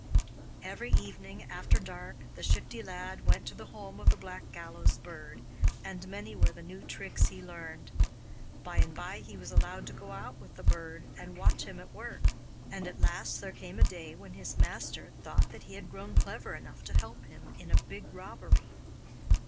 Every evening after dark the Shifty Lad went to the home of the Black Gallows Bird, and many were the new tricks he learned. By and by he was allowed to go out with the Bird and watch him at work, and at last there came a day when his master though that he had grown clever enough to help in a big robbery.